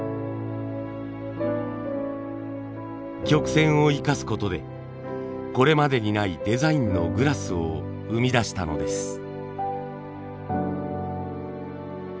曲線を生かすことでこれまでにないデザインのグラスを生み出したのです。